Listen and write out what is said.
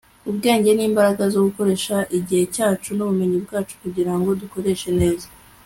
ubwenge ni imbaraga zo gukoresha igihe cyacu n'ubumenyi bwacu kugira ngo dukoreshe neza